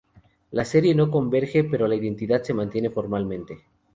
La serie no converge, pero la identidad se mantiene formalmente.